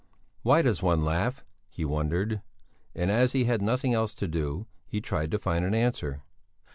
Why does one laugh? he wondered. And as he had nothing else to do, he tried to find an answer.